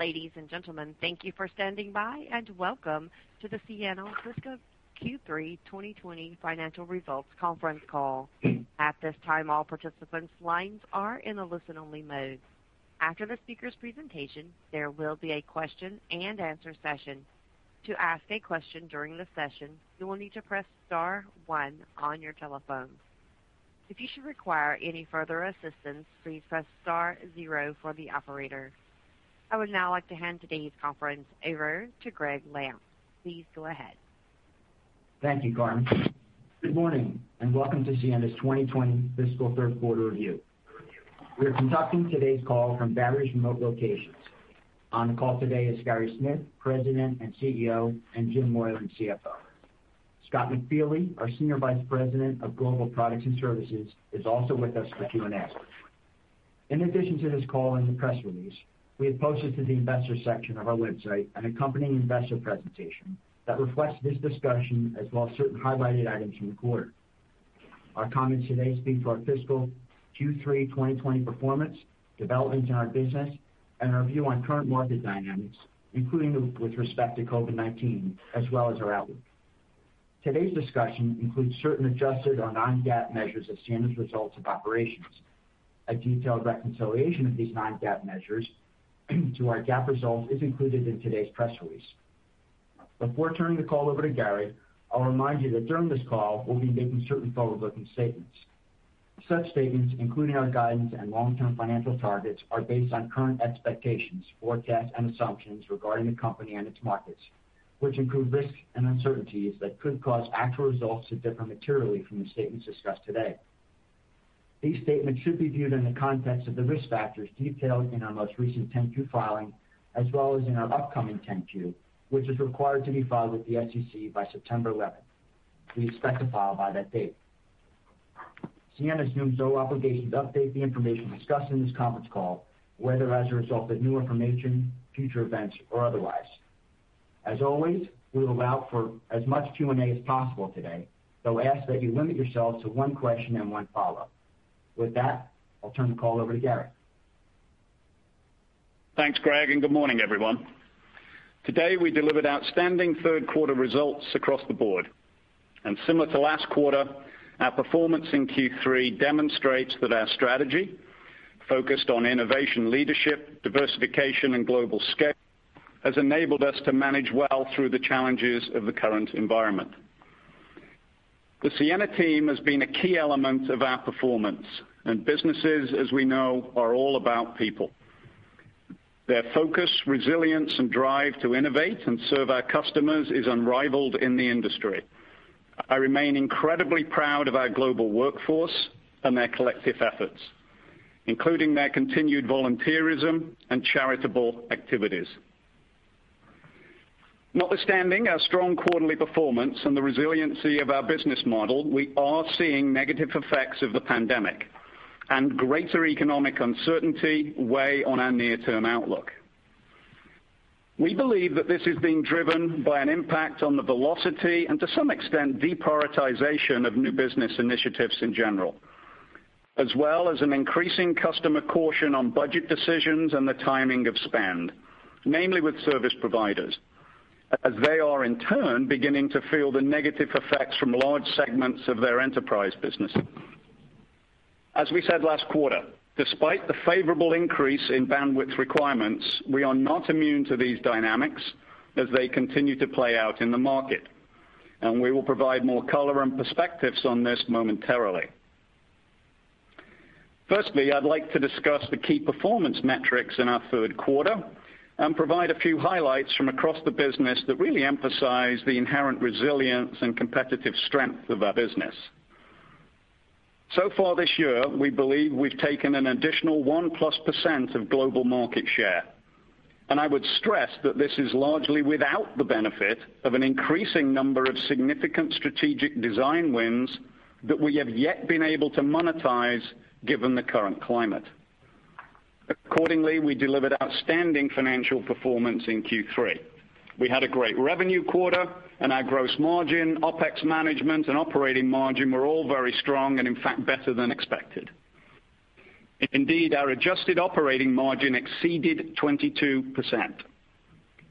Ladies and gentlemen, thank you for standing by, and welcome to the Ciena Fiscal Q3 2020 financial results conference call. At this time all participants' lines are in the listen-only mode. After the speaker's presentation there will be a question-and-answer session. To ask a question during the session, you will need to press star one on your telephone. If you should require any further assistance, please press star zero for the operator. I would now like to hand today's conference over to Gregg Lampf. Please go ahead. Thank you. Carmen. Good morning and welcome to Ciena's 2020 fiscal third quarter review. We are conducting today's call from various remote locations. On the call today is Gary Smith, President and CEO, and Jim Moylan, CFO. Scott McFeely, our Senior Vice President of Global Products and Services, is also with us for Q&A. In addition to this call and the press release, we have posted to the Investors section of our website an accompanying investor presentation that reflects this discussion as well as certain highlighted items in the quarter. Our comments today speak to our fiscal Q3 2020 performance, developments in our business and our view on current market dynamics including with respect to COVID-19 as well as our outlook. Today's discussion includes certain adjusted or non-GAAP measures of financial results of operations. A detailed reconciliation of these non-GAAP measures to our GAAP results is included in today's press release. Before turning the call over to Gary, I'll remind you that during this call. We'll be making certain forward-looking statements. Such statements, including our guidance and long-term financial targets, are based on current expectations, forecasts and assumptions regarding the company and its markets, which include risks and uncertainties that could cause actual results to differ materially from the statements discussed today. These statements should be viewed in the context of the risk factors detailed in our most recent 10-Q filing as well as in our upcoming 10-Q, which is required to be filed with the SEC by September 11th. We expect to file by that date. Ciena assumes no obligation to update the information discussed in this conference call, whether as a result of new information, future events or otherwise. As always, we will allow for as much Q&A as possible. Today, though, I ask that you limit yourselves to one question and one follow-up. With that, I'll turn the call over to Gary. Thanks Gregg and good morning everyone. Today we delivered outstanding third quarter results across the board and similar to last quarter, our performance in Q3 demonstrates that our strategy focused on innovation, leadership, diversification and global scale has enabled us to manage well through the challenges of the current environment. The Ciena team has been a key element of our performance and businesses, as we know, are all about people. Their focus, resilience and drive to innovate and serve our customers is unrivaled in the industry. I remain incredibly proud of our global workforce and their collective efforts, including their continued volunteerism and charitable activities. Notwithstanding our strong quarterly performance and the resiliency of our business model, we are seeing negative effects of the pandemic and greater economic uncertainty weigh on our near term outlook. We believe that this is being driven by an impact on the velocity and to some extent deprioritization of new business initiatives in general, as well as an increasing customer caution on budget decisions and the timing of spend, namely with service providers as they are in turn beginning to feel the negative effects from large segments of their enterprise business. As we said last quarter, despite the favorable increase in bandwidth requirements, we are not immune to these dynamics as they continue to play out in the market and we will provide more color and perspectives on this momentarily. Firstly, I'd like to discuss the key performance metrics in our third quarter and provide a few highlights from across the business that really emphasize the inherent resilience and competitive strength of our business. So far this year, we believe we've taken an additional 1-plus% of global market share, and I would stress that this is largely without the benefit of an increasing number of significant strategic design wins that we have yet been able to monetize given the current climate. Accordingly, we delivered outstanding financial performance in Q3. We had a great revenue quarter, and our gross margin, OpEx management, and operating margin were all very strong and, in fact, better than expected. Indeed, our adjusted operating margin exceeded 22%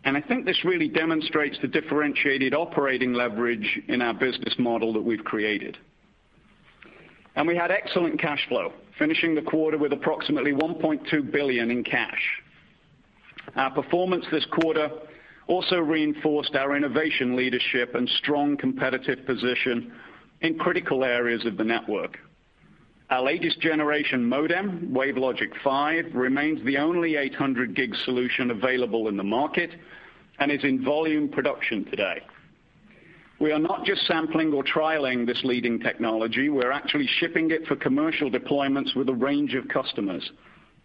and I think this really demonstrates the differentiated operating leverage in our business model that we've created, and we had excellent cash flow finishing the quarter with approximately $1.2 billion in cash. Our performance this quarter also reinforced our innovation, leadership and strong competitive position in critical areas of the network. Our latest generation modem WaveLogic 5 remains the only 800 gig solution available in the market and is in volume production today. We are not just sampling or trialing this leading technology, we're actually shipping it for commercial deployments with a range of customers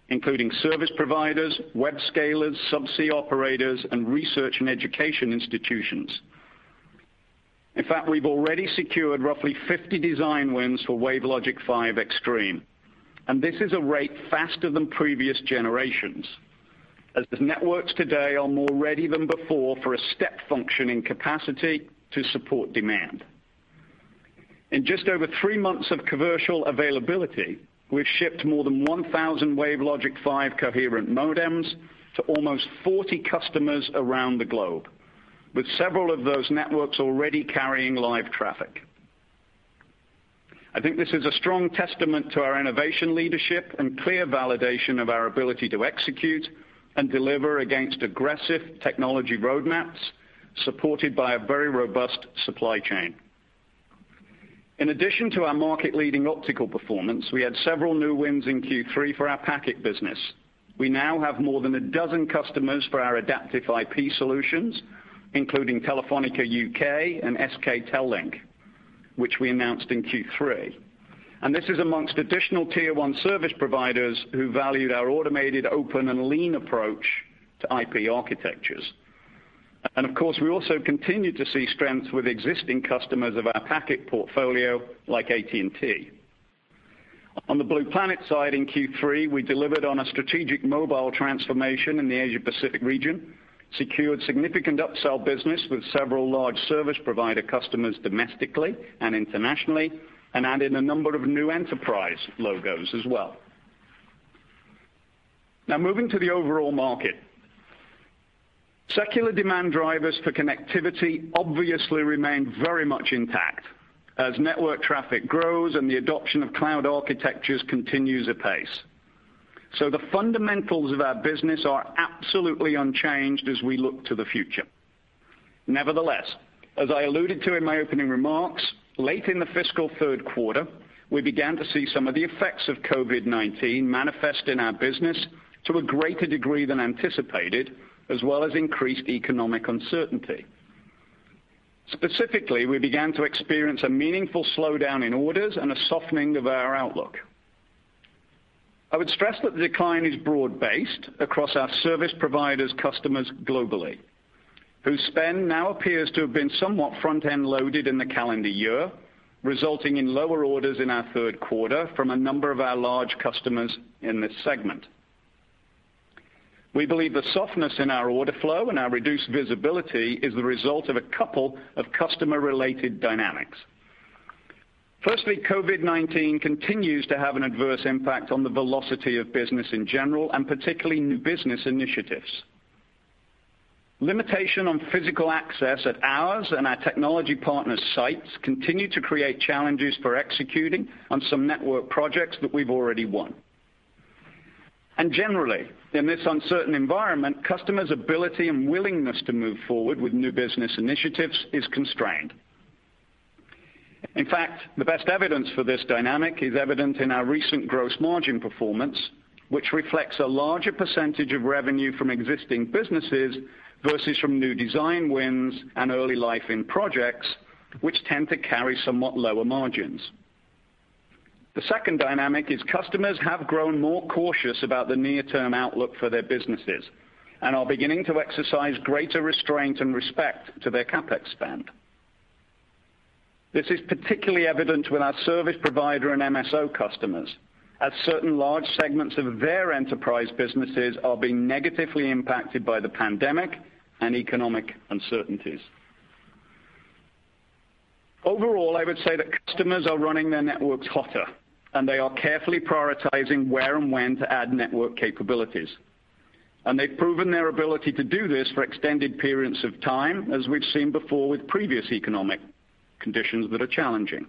including service providers, web-scale, subsea operators and research and education institutions. In fact, we've already secured roughly 50 design wins for WaveLogic 5 Extreme, and this is a rate faster than previous generations as the networks today are more ready than before for a step function in capacity to support demand. In just over three months of commercial availability, we've shipped more than 1,000 WaveLogic 5 coherent modems to almost 40 customers around the globe with several of those networks already carrying live traffic. I think this is a strong testament to our innovation, leadership and clear validation of our ability to execute and deliver against aggressive technology roadmaps supported by a very robust supply chain. In addition to our market leading optical performance, we had several new wins in Q3 for our packet business. We now have more than a dozen customers for our Adaptive IP solutions including Telefónica UK and SK Telink which we announced in Q3 and this is amongst additional tier one service providers who valued our automated, open and lean approach to IP architectures, and of course we also continue to see strength with existing customers of our packet portfolio like AT&T. On the Blue Planet side in Q3 we delivered on a strategic mobile transformation in the Asia Pacific region, secured significant upsell business with several large service provider customers domestically and internationally, and added a number of new enterprise logos as well. Now moving to the overall market. Secular demand drivers for connectivity obviously remain very much intact as network traffic grows and the adoption of cloud architectures continues apace. So the fundamentals of our business are absolutely unchanged as we look to the future. Nevertheless, as I alluded to in my opening remarks, late in the fiscal third quarter we began to see some of the effects of COVID-19 manifest in our business to a greater degree than anticipated as well as increased economic uncertainty. Specifically, we began to experience a meaningful slowdown in orders and a softening of our outlook. I would stress that the decline is broad-based across our service providers' customers globally whose spend now appears to have been somewhat front-end loaded in the calendar year resulting in lower orders in our third quarter from a number of our large customers in this segment. We believe the softness in our order flow and our reduced visibility is the result of a couple of customer-related dynamics. Firstly, COVID-19 continues to have an adverse impact on the velocity of business in general and particularly new business initiatives. Limitations on physical access at our and our technology partners' sites continue to create challenges for executing on some network projects that we've already won, and generally in this uncertain environment, customers' ability and willingness to move forward with new business initiatives is constrained. In fact, the best evidence for this dynamic is evident in our recent gross margin performance, which reflects a larger percentage of revenue from existing businesses versus from new design wins and early lifecycle projects which tend to carry somewhat lower margins. The second dynamic is customers have grown more cautious about the near term outlook for their businesses and are beginning to exercise greater restraint and respect to their CapEx spend. This is particularly evident with our service provider and MSO customers as certain large segments of their enterprise businesses are being negatively impacted by the pandemic economic uncertainties. Overall, I would say that customers are running their networks hotter and they are carefully prioritizing where and when to add network capabilities and they've proven their ability to do this for extended periods of time. As we've seen before with previous economic conditions that are challenging.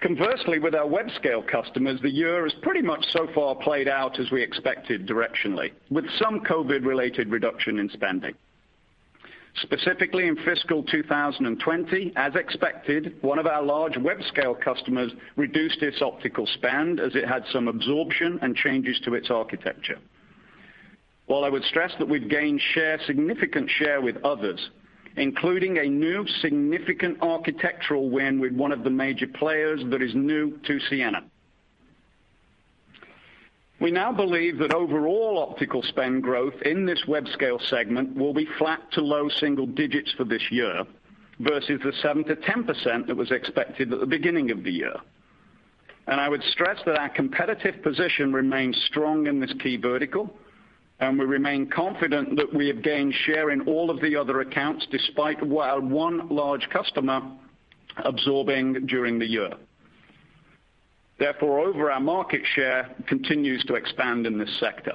Conversely, with our web scale customers, the year has pretty much so far played out as we expected directionally with some COVID-related reduction in spending. Specifically in fiscal 2020, as expected, one of our large web scale customers reduced its optical spend as it had some absorption and changes to its architecture. While I would stress that we've gained significant share with others, including a new significant architectural win with one of the major players that is new to Ciena. We now believe that overall optical spend growth in this web scale segment will be flat to low single digits for year versus the 7%-10% that was expected at the beginning of the year. And I would stress that our competitive position remains strong in this key vertical and we remain confident that we have gained share in all of the other accounts despite one large customer absorbing during the year. Therefore, overall our market share continues to expand in this sector.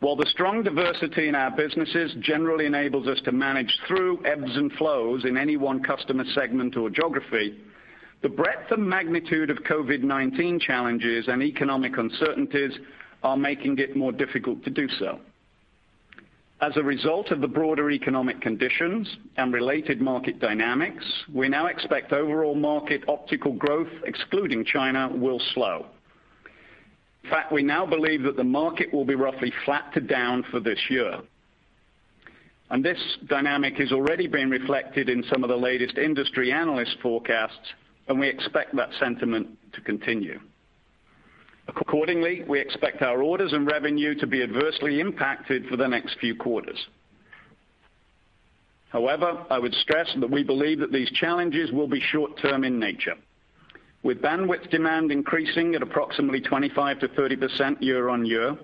While the strong diversity in our businesses generally enables us to manage through ebbs and flows in any one customer segment or geography, the breadth and magnitude of COVID-19 challenges and economic uncertainties are making it more difficult to do so. As a result of the broader economic conditions and related market dynamics, we now expect overall market optical growth excluding China will slow. In fact, we now believe that the market will be roughly flat to down for this year, and this dynamic has already been reflected in some of the latest industry analyst forecasts and we expect that sentiment to continue accordingly. We expect our orders and revenue to be adversely impacted for the next few quarters. However, I would stress that we believe that these challenges will be short term in nature. With bandwidth demand increasing at approximately 25%-30% year on year,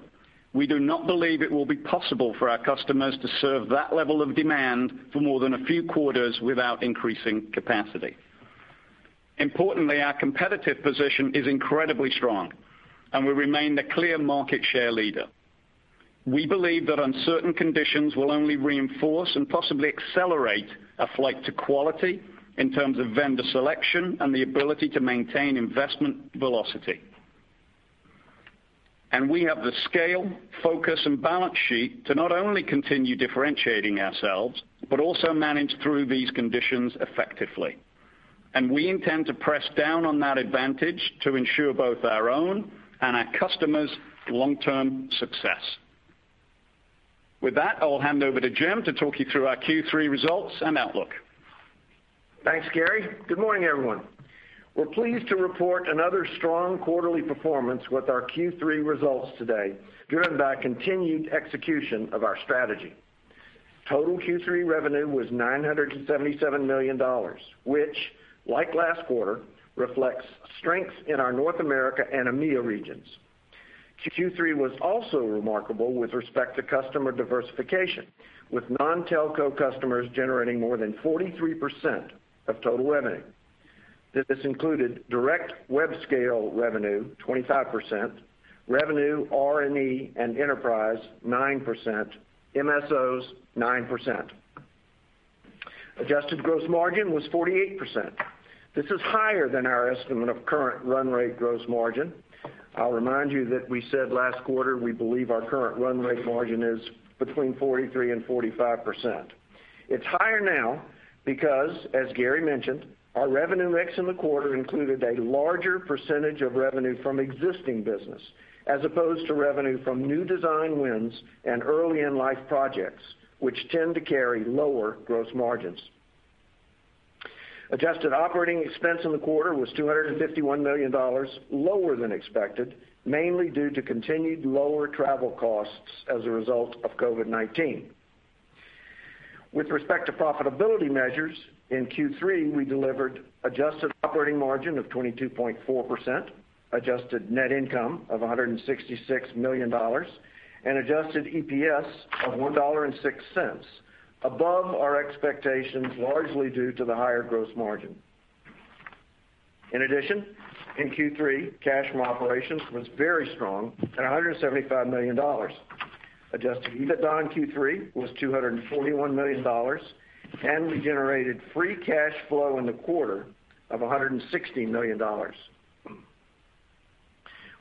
we do not believe it will be possible for our customers to serve that level of demand for more than a few quarters without increasing capacity. Importantly, our competitive position is incredibly strong and we remain the clear market share leader. We believe that uncertain conditions will only reinforce and possibly accelerate a flight to quality in terms of vendor selection and the ability to maintain investment velocity. And. We have the scale, focus and balance sheet to not only continue differentiating ourselves, but also manage through these conditions effectively, and we intend to press down on that advantage to ensure both our own and our customers' long-term success. With that, I'll hand over to Jim to talk you through our Q3 results and outlook. Thanks Gary. Good morning everyone. We're pleased to report another strong quarterly performance with our Q3 results today driven by continued execution of our strategy. Total Q3 revenue was $977 million, which like last quarter reflects strengths in our North America and EMEA regions. Q3 was also remarkable with respect to customer diversification with non-telco customers generating more than 43% of total revenue. This included direct web scale revenue 25%, revenue R&E and enterprise 9%, MSOs 9%. Adjusted gross margin was 48%. This is higher than our estimate of current run rate gross margin. I'll remind you that we said last quarter we believe our current run rate margin is between 43% and 45%. It's higher now because, as Gary mentioned, our revenue mix in the quarter included a larger percentage of revenue from existing business as opposed to revenue from new design wins and early in life projects which tend to carry lower gross margins. Adjusted operating expense in the quarter was $251 million lower than expected, mainly due to continued lower travel costs as a result of COVID-19. With respect to profitability measures in Q3 we delivered adjusted operating margin of 22.4%, adjusted net income of $166 million and adjusted EPS of $1.06 above our expectations, largely due to the higher gross margin. In addition, in Q3, cash from operations was very strong at $175 million. Adjusted EBITDA in Q3 was $241 million and we generated free cash flow in the quarter of $116 million.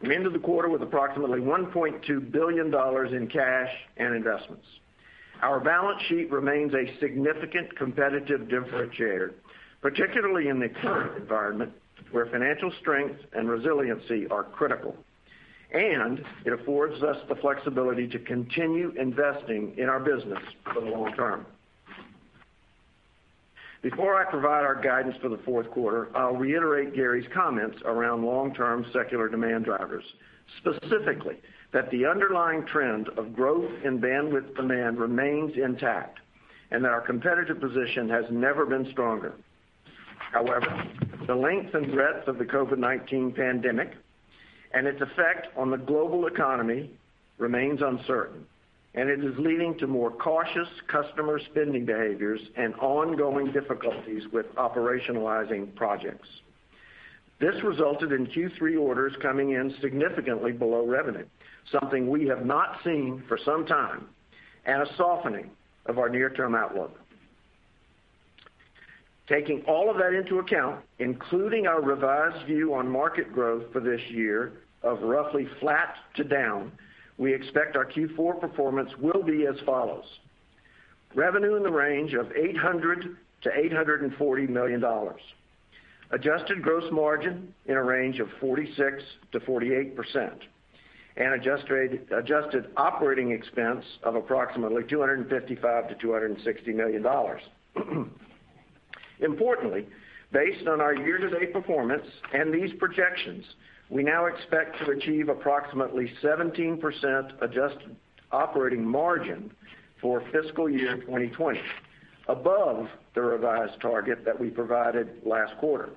We ended the quarter with approximately $1.2 billion in cash and investments. Our balance sheet remains a significant competitive differentiator, particularly in the current environment where financial strength and resiliency are critical and it affords us the flexibility to continue investing in our business for the long term. Before I provide our guidance for the fourth quarter, I'll reiterate Gary's comments around long-term secular demand drivers, specifically that the underlying trend of growth in bandwidth demand remains intact and that our competitive position has never been stronger. However, the length and breadth of the COVID-19 pandemic and its effect on the global economy remains uncertain and it is leading to more cautious customer spending behaviors and ongoing difficulties with operationalizing projects. This resulted in Q3 orders coming in significantly below revenue, something we have not seen for some time and a softening of our near-term outlook. Taking all of that into account, including our revised view on market growth for this year of roughly flat to down, we expect our Q4 performance will be as follows. Revenue in the range of $800 million-$840 million, adjusted gross margin in a range of 46%-48% and adjusted operating expense of approximately $255 million-$260 million. Importantly, based on our year to date performance and these projections, we now expect to achieve approximately 17% adjusted operating margin for fiscal year 2020 above the revised target that we provided last quarter.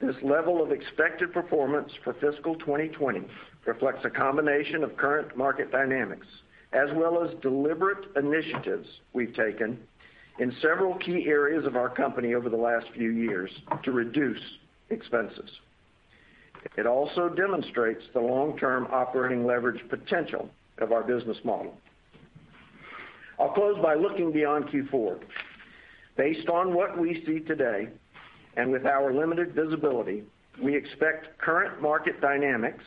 This level of expected performance for fiscal 2020 reflects a combination of current market dynamics as well as deliberate initiatives. We've taken in several key areas of our company over the last few years to reduce expenses. It also demonstrates the long term operating leverage potential of our business model. I'll close by looking beyond Q4. Based on what we see today and with our limited visibility, we expect current market dynamics,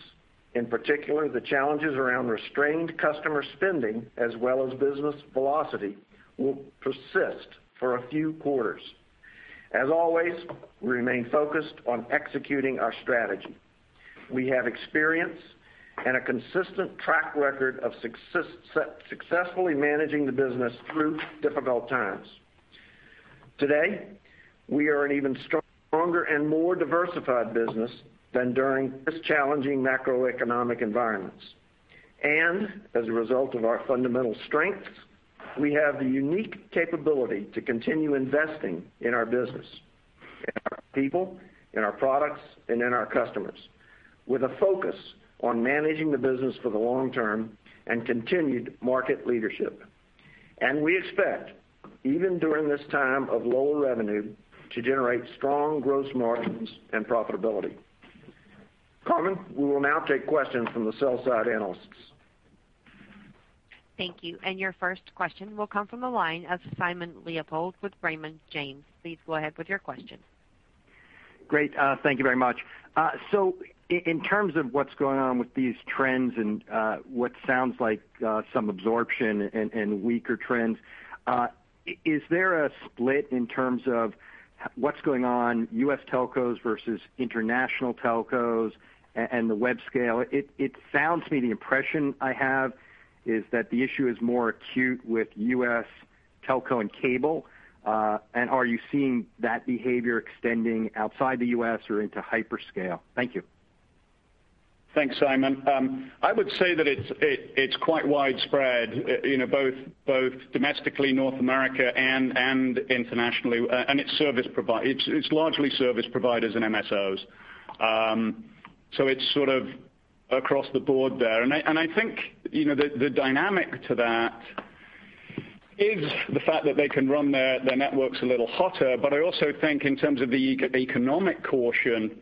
in particular the challenges around restrained customer spending as well as business velocity, will persist for a few quarters. As always, we remain focused on executing our strategy. We have experience and a consistent track record of success in successfully managing the business through difficult times. Today we are an even stronger and more diversified business than during this challenging macroeconomic environment, and as a result of our fundamental strengths, we have the unique capability to continue investing in our business, in our people, in our products and in our customers, with a focus on managing the business for the long term and continued market leadership, and we expect even during this time of lower revenue to generate strong gross margins and profitability. Carmen, we will now take questions from the sell-side analysts. Thank you. And your first question will come from the line of Simon Leopold with Raymond James. Please go ahead with your question. Great. Thank you very much. So in terms of what's going on with these trends and what sounds like some absorption and weaker trends, is there a split in terms of what's going on? U.S. telcos versus international telcos and the web scale? It sounds to me, the impression I have is that the issue is more acute with U.S. telco and cable. And are you seeing that behavior extending outside the U.S. or into hyperscale? Thank you. Thanks, Simon. I would say that it's quite widespread both domestically, North America and internationally. And it's largely service providers and MSOs. So it's sort of across the board there. And I think the dynamic to that. It's the fact that they can run their networks a little hotter. But I also think in terms of the economic caution,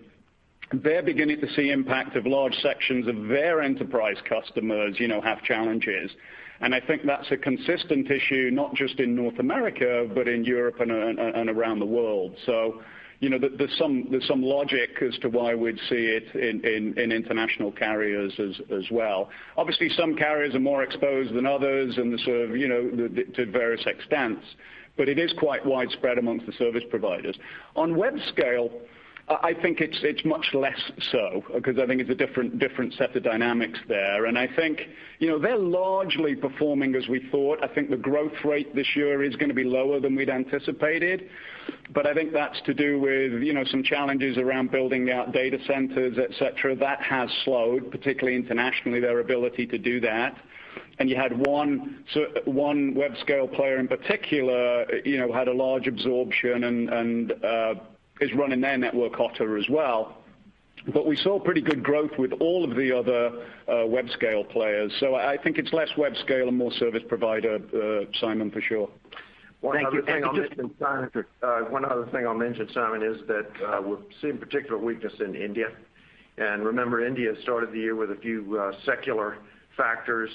they're beginning to see impact of large sections of their enterprise customers have challenges and I think that's a consistent issue not just in North America, but in Europe and around the world. So there's some logic as to why we'd see it in international carriers as well. Obviously some carriers are more exposed than others and the sort of, you know, to various extents, but it is quite widespread amongst the service providers. On Web Scale I think it's much less so because I think it's a different set of dynamics there and I think, you know, they're largely performing as we thought. I think the growth rate this year is going to be lower than we'd anticipated. But I think that's to do with, you know, some challenges around building out data centers, et cetera, that has slowed, particularly internationally, their ability to do that. And you had one web scale player in particular, you know, had a large absorption and is running their network hotter as well. But we saw pretty good growth with all of the other web scale players. So I think it's less web scale and more service provider. Simon for sure, thank you. One other thing I'll mention Simon, is that we're seeing particular weakness in India and remember India started the year with a few secular factors.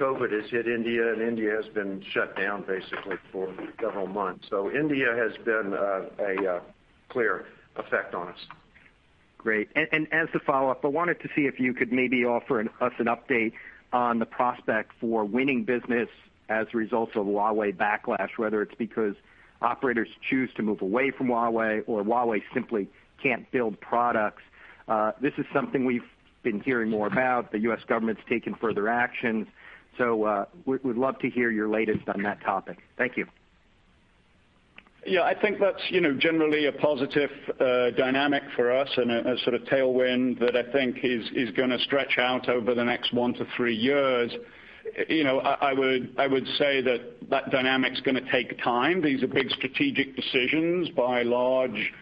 COVID has hit India and India has been shut down basically for several months. So India has been a clear effect on us. Great. As a follow-up, I wanted to see if you could maybe offer us an update on the prospect for winning business as a result of Huawei backlash, whether it's because operators choose to move away from Huawei or Huawei simply can't build products. This is something we've been hearing more about. The U.S. government's taken further actions. We'd love to hear your latest on that topic. Thank you. Yeah, I think that's, you know, generally a positive dynamic for us and a sort of tailwind that I think is going to stretch out over the next one to three years. You know, I would say that that dynamic is going to take time. These are big strategic decisions by large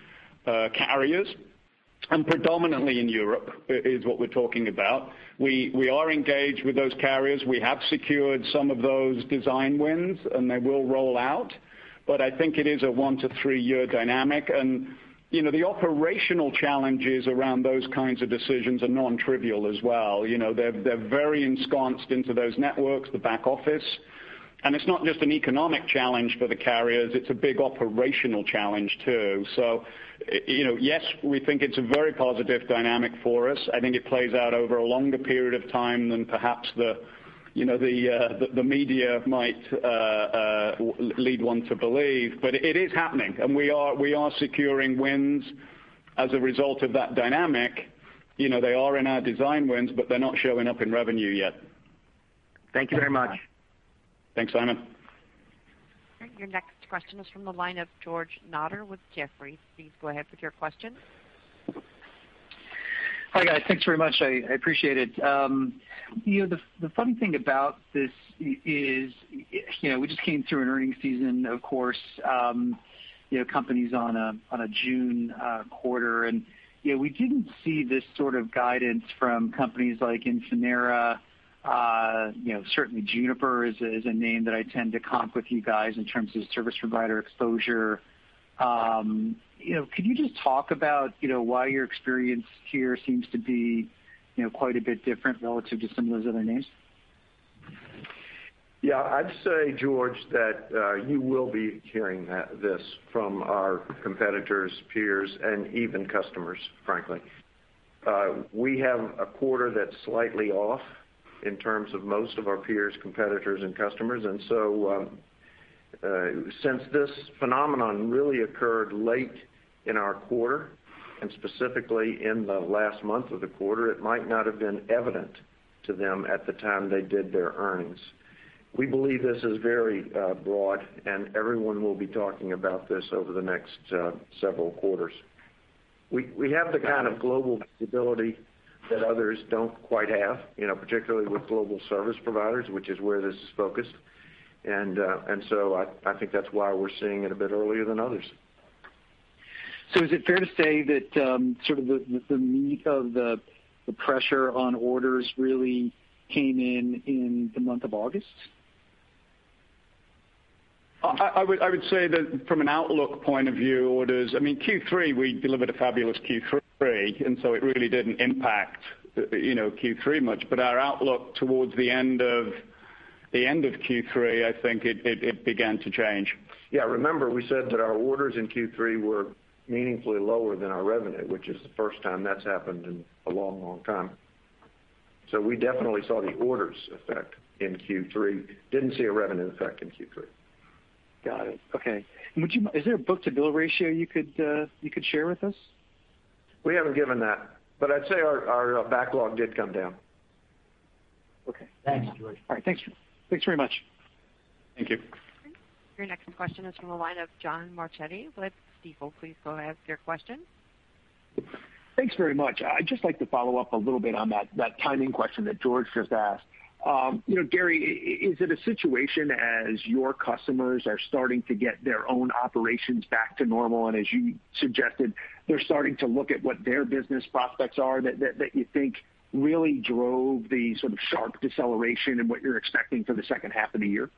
carriers, and predominantly in Europe is what we're talking about. We are engaged with those carriers. We have secured some of those design wins and they will roll out. But I think it is a one to three year dynamic and you know, the operational challenges around those kinds of decisions are nontrivial as well. You know, they're very ensconced into those networks, the back office. And it's not just an economic challenge for the carriers, it's a big operational challenge too. So yes, we think it's a very positive dynamic for us. I think it plays out over a longer period of time than perhaps. The. Media might lead one to believe, but it is happening and we are securing wins as a result of that dynamic. They are in our design wins, but they're not showing up in revenue yet. Thank you very much. Thanks, Simon. Your next question is from the line of George Notter with Jefferies. Please go ahead with your question. Hi, guys. Thanks very much. I appreciate it. The funny thing about this is we just came through an earnings season, of course, companies on a June quarter, and we didn't see this sort of guidance from companies like Infinera. Certainly Juniper is a name that I tend to comp with you guys in terms of service provider exposure. Can you just talk about why your experience here seems to be quite a? bit different relative to some of those other names? Yeah, I'd say, George, that you will be hearing this from our competitors, peers and even customers. Frankly, we have a quarter that's slightly off in terms of most of our peers, competitors and customers. And so. Since this phenomenon really occurred late in our quarter and specifically in the last month of the quarter, it might not have been evident to them at the time they did their earnings. We believe this is very broad and everyone will be talking about this over the next several quarters. We have the kind of global stability that others don't quite have, you know, particularly with global service providers, which is where this is focused. And so I think that's why we're seeing it a bit earlier than others. So is it fair to say that sort of the meat of the pressure? On orders really came in in the month of August? I would say that from an outlook point of view, orders, I mean, Q3, we delivered a fabulous Q3, and so it really didn't impact Q3 much, but our outlook towards the end of Q3, I think it began to change. Yes. Remember we said that our orders in Q3 were meaningfully lower than our revenue, which is the first time that's happened in a long, long time. So we definitely saw the orders effect in Q3. Didn't see a revenue effect in Q3. Got it. Okay. Would you. Is there a book-to-bill ratio you could share with us? We haven't given that, but I'd say our backlog did come down. Okay, thanks, George. All right, thanks. Thanks very much. Thank you. Your next question is from the line of John Marchetti, Stifel. Please go ask your question. Thanks very much. I'd just like to follow up a little bit on that timing question that George just asked Gary. Is it a situation as your customers are starting to get their own operations back to normal and as you suggested, they're starting to look at what their business prospects are that you think really drove the sort of sharp deceleration in what you're expecting for the second half of the year?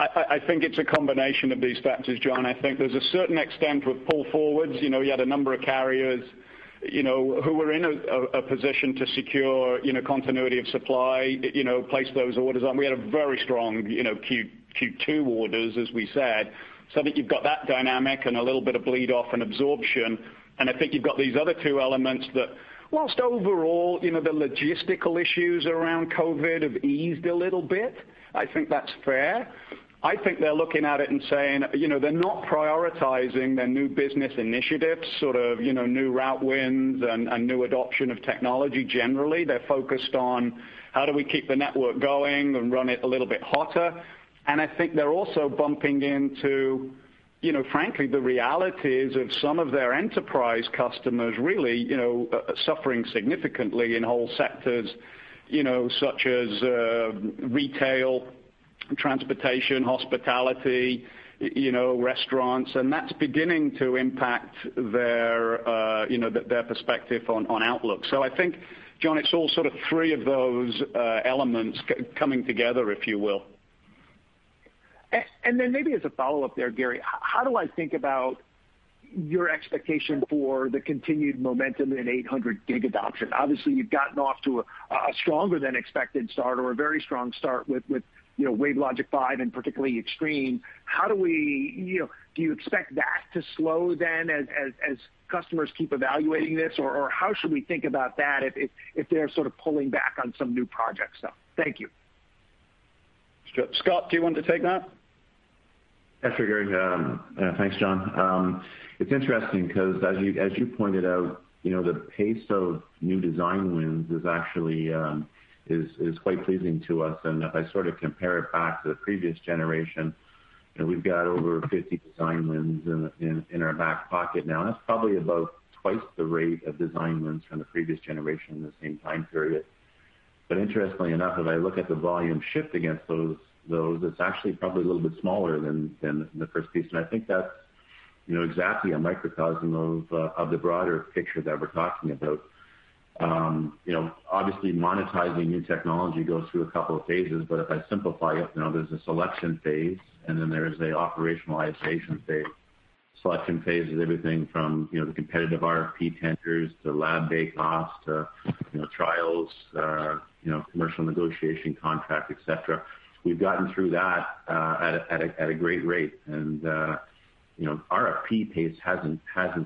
I think it's a combination of these factors, John. I think there's a certain extent with pull forwards you had a number of carriers who were in a position to secure continuity of supply, place those orders on. We had a very strong Q2 orders, as we said. So I think you've got that dynamic and a little bit of bleed off and absorption and I think you've got these other two elements that while overall the logistical issues around COVID have eased a little bit, I think that's fair. I think they're looking at it and saying they're not prioritizing their new business initiatives, sort of new route wins and new adoption of technology. Generally they're focused on how do we keep the network going and run it a little bit hotter. And I think they're also bumping into, you know, frankly, the realities of some of their enterprise customers really, you know, suffering significantly in whole sectors, you know, such as retail, transportation, hospitality, you know, restaurants. And that's beginning to impact their, you know, their perspective on outlook. So I think, John, it's all sort of three of those elements coming together, if you will. And then maybe as a follow up there, Gary, how do I think about your expectation for the continued momentum in 800 gig adoption? Obviously you've gotten off to a stronger than expected start or a very strong start with, you know, WaveLogic 5 and particularly Extreme. How do we, you know, do you expect that to slow then as customers keep evaluating this or how should we think about that if they're sort of pulling back on some new projects? Thank you. Scott. Do you want to take that? Thanks, John. It's interesting because as you pointed out, the pace of new design wins is actually quite pleasing to us, and if I sort of compare it back to the previous generation and we've got over 50 design wins in our back pocket now, that's probably about twice the rate of design wins from the previous generation in the same time period, but interestingly enough, if I look at the volume shipped against those, it's actually probably a little bit smaller than the first piece, and I think that's exactly a microcosm of the broader picture that we're talking about. Obviously, monetizing new technology goes through a couple of phases, but if I simplify it now, there's a selection phase and then there is an operationalization phase. Selection phases, everything from the competitive RFP tenders to lab day cost trials, commercial negotiation, contract, et cetera. We've gotten through that at a great rate. And RFP pace hasn't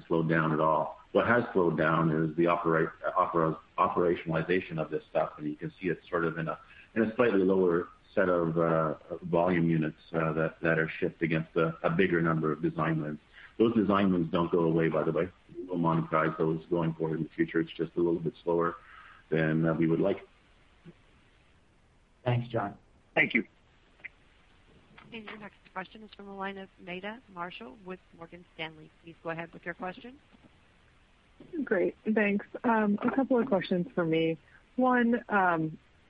slowed down at all. What has slowed down is the operationalization of this stuff. And you can see it's sort of in a slightly lower set of volume units that are shipped against a bigger number of design wins. Those design wins don't go away, by the way. We will monetize those going forward in the future. It's just a little bit slower than we would like. Thanks, John. Thank you. Your next question is from the line of Meta Marshall with Morgan Stanley. Please go ahead with your question. Great, thanks. A couple of questions for me. One,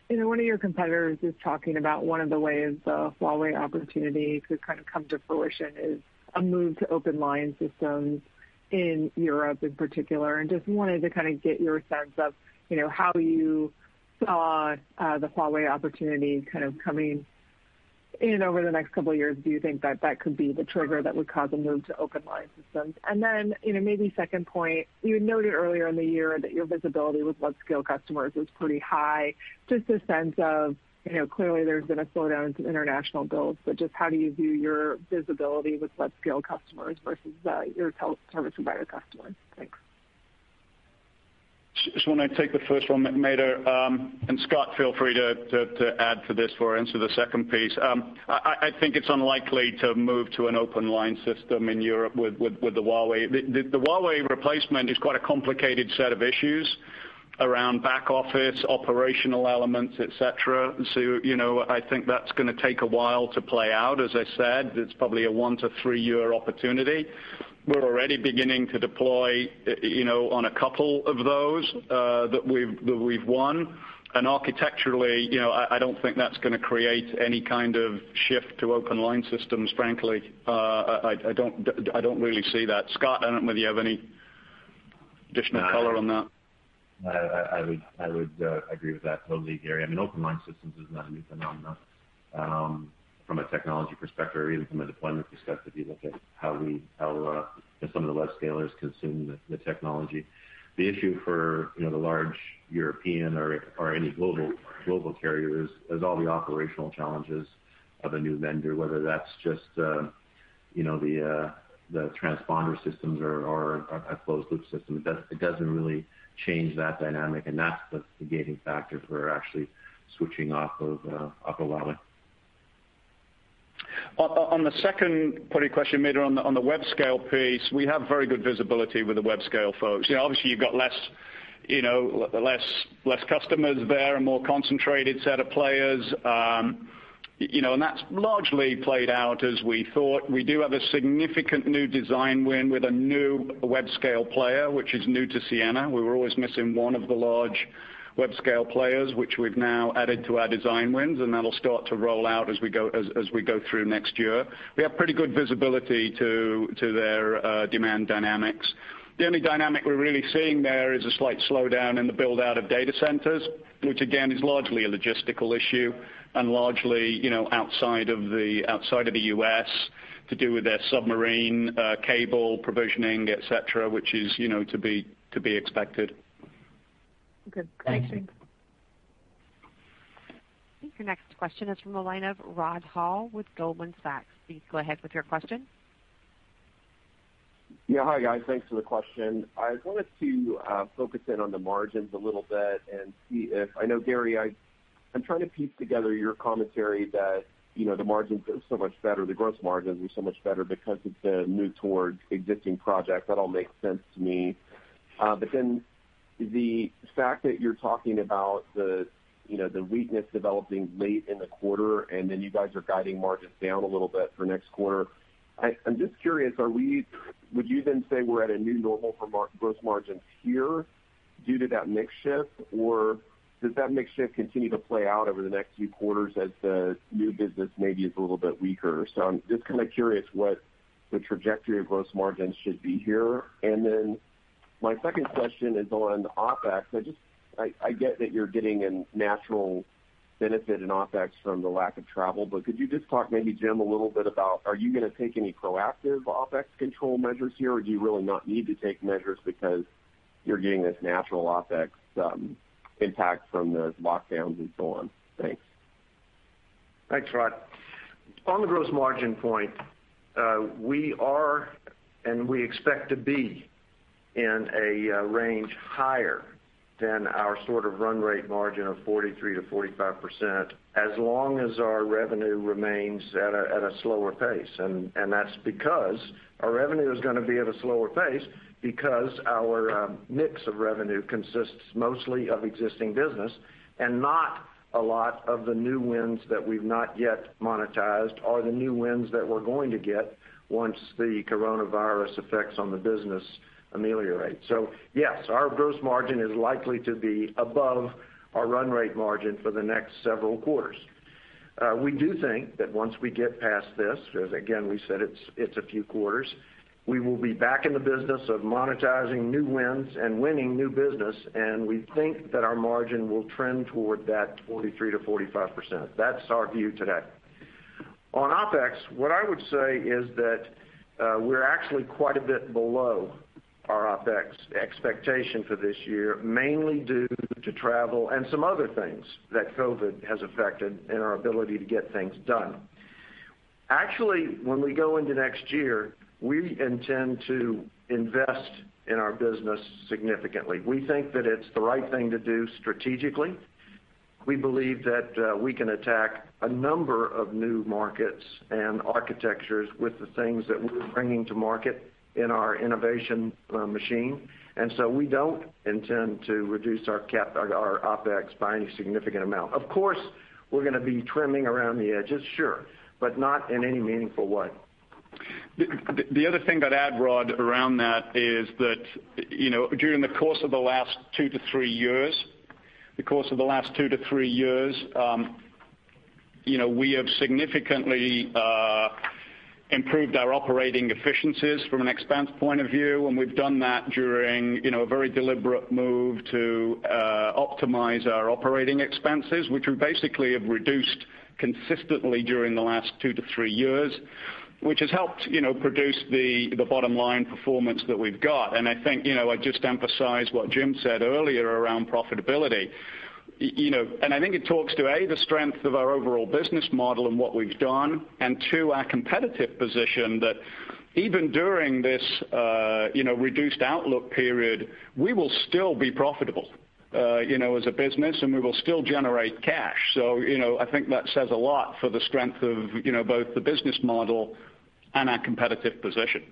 you know, one of your competitors. Is talking about one of the ways. The Huawei opportunity could kind of come. To fruition is a move to open. Line systems in Europe in particular, and just wanted to kind of get. Your sense of, you know, how you. Saw the Huawei opportunity kind of coming. In over the next couple of years. Do you think that that could be the trigger that would cause a move to open line systems? And then, you know, maybe second point. You noted earlier in the year that your visibility with web scale customers is. Pretty high, too. Just a sense of. Clearly there's been a slowdown in some international builds. But just how do you view your visibility with web scale customers versus your service provider customers? Thanks. Just want to take the first one. Meta and Scott, feel free to add to this before I answer the second piece. I think it's unlikely to move to an open line system in Europe with the Huawei. The Huawei replacement is quite a complicated set of issues around back office operational elements, et cetera. So, you know, I think that's going to take a while to play out. As I said, it's probably a one- to three-year opportunity. We're already beginning to deploy, you know, on a couple of those that we've won and architecturally, you know, I don't think that's going to create any kind of shift to open line systems. Frankly, I don't really see that. Scott, I don't know whether you have any additional color on that. I would agree with that totally, Gary. I mean open line systems is not a new phenomenon from a technology perspective or even from a deployment perspective. You look at how we, how some of the web scalers consume the technology. The issue for the large European or any global carrier is all the operational challenges of a new vendor. Whether that's just, you know, the transponder systems are a closed-loop system, it doesn't really change that dynamic, and that's the gating factor for actually switching off of. On the second party question on the web scale piece, we have very good visibility with the web scale folks. Obviously you've got. Less customers there, a more concentrated set of players. That's largely played out as we thought. We do have a significant new design win with a new web scale player which is new to Ciena. We were always missing one of the large web scale players which we've now added to our design wins and that'll start to roll out as we go through next year. We have pretty good visibility to their demand dynamics. The only dynamic we're really seeing there is a slight slowdown in the build out of data centers, which again is largely a logistical issue and largely, you know, outside of the US to do with their submarine cable provisioning, et cetera, which is, you know, to be expected. Okay, thanks, James. Your next question is from the line of Rod Hall with Goldman Sachs. Please go ahead with your question. Yeah, hi guys. Thanks for the question. I wanted to focus in on the margins a little bit and I know, Gary, I'm trying to piece together your commentary that the margins are so much better, the gross margins are so much better because it's a move towards existing projects. That all makes sense to me. But then the fact that you're talking about the weakness developing late in the quarter and then you guys are guiding margins down a little bit for next quarter. I'm just curious, would you then say we're at a new normal for gross margin here due to that mix shift or does that mix shift continue to play out over the next few quarters as the new business maybe is a little bit weaker? So I'm just kind of curious what the trajectory of gross margins should be here? And then my second question is on OpEx. I get that you're getting a natural benefit in OpEx from the lack of travel, but could you just talk maybe Jim, a little bit about are you going to take any proactive OpEx control measures here or do you really not need to take measures because you're getting this natural OpEx impact from the lockdowns and so on? Thanks. Thanks, Rod. On the gross margin point, we are and we expect to be in a range higher than our sort of run rate margin of 43%-45% as long as our revenue remains at a slower pace, and that's because our revenue is going to be at a slower pace because our mix of revenue consists mostly of existing business and not a lot of the new wins that we've not yet monetized or the new wins that we're going to get once the coronavirus effects on the business ameliorate, so yes, our gross margin is likely to be above our run rate margin for the next several quarters. We do think that once we get past this, because again, we said it's a few quarters, we will be back in the business of monetizing new wins and winning new business. We think that our margin will trend toward that 43%-45%. That's our view today on OpEx. What I would say is that we're actually quite a bit below our OpEx expectation for this year, mainly due to travel and some other things that Covid has affected in our ability to get things done. Actually, when we go into next year, we intend to invest in our business significantly. We think that it's the right thing to do strategically. We believe that we can attack a number of new markets and architectures with the things that we're bringing to market in our innovation machine. And so we don't intend to reduce our CapEx, our OpEx by any significant amount. Of course we're going to be trimming around the edges, sure, but not in any meaningful way. The other thing I'd add Rod around that is that during the course of the last two to three years. Years. We have significantly. Improved our operating efficiencies from an expense point of view. And we've done that during a very deliberate move to optimize our operating expenses, which we basically have reduced consistently during the last two to three years, which has helped, you know, produce the bottom line performance that we've got. And I think, you know, I just emphasize what Jim said earlier around profitability, you know, and I think it talks to a, the strength of our overall business model and what we've done and two, our competitive position that even during this reduced outlook period, we will still be profitable as a business and we will still generate cash. So I think that says a lot for the strength of both the business model and our competitive position.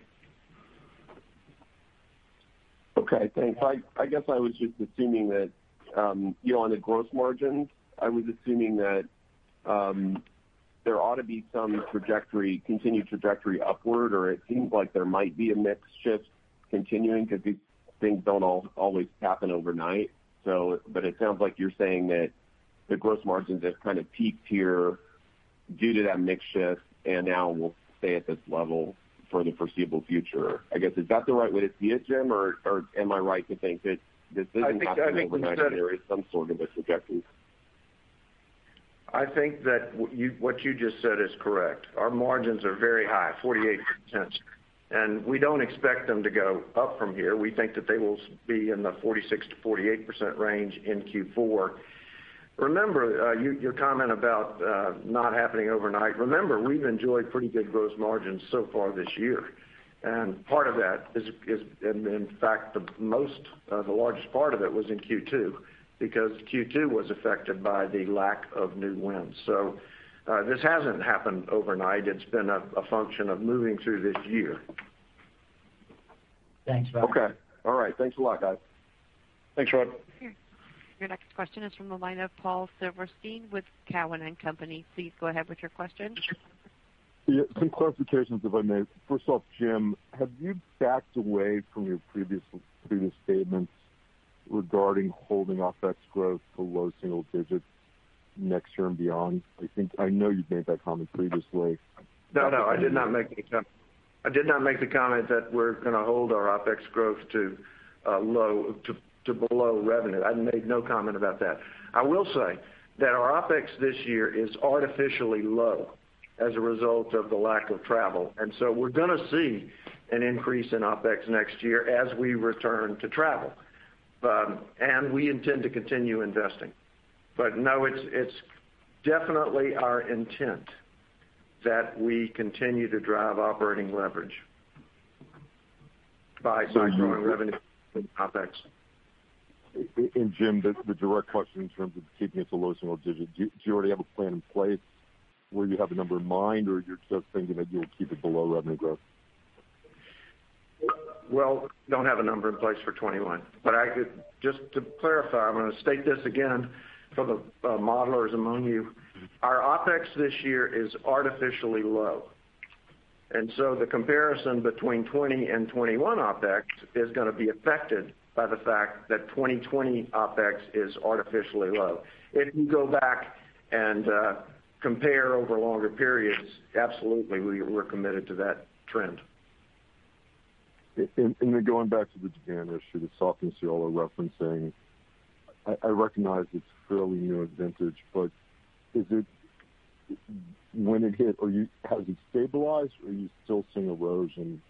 Okay, thanks. I guess I was just assuming that on the gross margin. That. There ought to be some trajectory, continued trajectory upward, or it seems like there might be a mix shift continuing because these things don't always happen overnight, but it sounds like you're saying that the gross margins have kind of peaked here due to that mix shift and now we'll stay at this level for the foreseeable future, I guess. Is that the right way to see it, Jim, or am I right to think that this isn't happening overnight? There is some sort of a trajectory? I think that what you just said is correct. Our margins are very high, 48%, and we don't expect them to go up from here. We think that they will be in the 46%-48% range in Q4. Remember your comment about not happening overnight? Remember, we've enjoyed pretty good gross margins so far this year and part of that is in fact the mix. The largest part of it was in Q2 because Q2 was affected by the lack of new wins, so this hasn't happened overnight. It's been a function of moving through this year. Thanks, Rod. Okay. All right. Thanks a lot, guys. Thanks, Rod. Your next question is from the line of Paul Silverstein with Cowen and Company. Please go ahead with your question. Some clarifications, if I may. First off, Jim, have you backed away from your previous statements regarding holding OpEx growth below single digits next year and beyond? I think I know you've made that comment previously. No, no, I did not make the comment that we're going to hold our OpEx growth to low to below revenue. I made no comment about that. I will say that our OpEx this year is artificially low as a result of the lack of travel. And so we're going to see an increase in OpEx next year as we return to travel and we intend to continue investing. But no, it's definitely our intent that we continue to drive operating leverage. By growing revenue OpEx. Jim, the direct question in terms of keeping it to low single digit, do you already have a plan in place where you have a number in mind or you're just thinking that you'll keep it below revenue growth? Don't have a number in place for 2021, but I could. Just to clarify, I'm going to state this again for the modelers among you. Our OpEx this year is artificially low. And so the comparison between 2020 and 2021 OpEx is going to be affected by the fact that 2020 OpEx is artificially low if you go back and compare over longer periods. Absolutely, we're committed to that trend. And then going back to the 800 Gig. With the softness you all are referencing. I recognize it's fairly new, but when it hit, has it stabilized? Are you still seeing erosion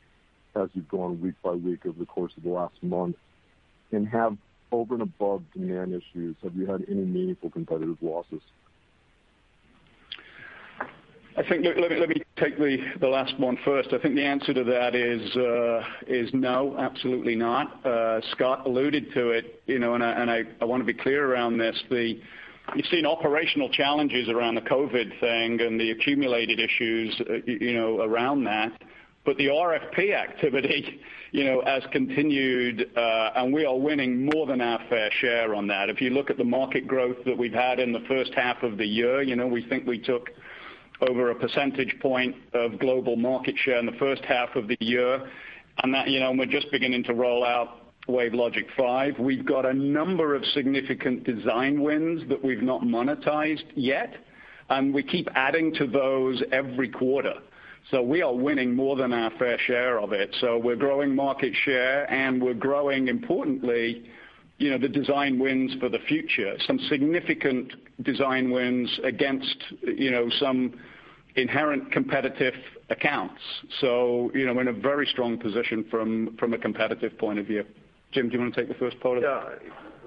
as you've gone week by week over the course of the last month and, over and above demand issues? Have you had any meaningful competitive losses? I think. Let me take the last one first. I think the answer to that is no, absolutely not. Scott alluded to it, you know, and I want to be clear around this. You've seen operational challenges around the COVID thing and the accumulated issues around that, but the RFP activity has continued and we are winning more than our fair share on that. If you look at the market growth that we've had in the first half of the year, we think we took over a percentage point of global market share in the first half of the year and we're just beginning to roll out WaveLogic 5. We've got a number of significant design wins that we've not monetized yet, and we keep adding to those every quarter. So we are winning more than our fair share of it. So we're growing market share and we're growing importantly, you know, the design wins for the future, some significant design wins against, you know, some inherent competitive accounts. So, you know, in a very strong position from a competitive point of view. Jim, do you want to take the first part? Yeah.